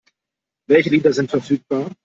Welche Lieder sind verfügbar?